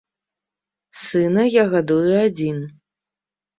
Сына я гадую адзін.